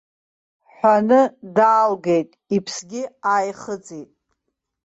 Ҳәаны даалгеит, иԥсгьы ааихыҵит.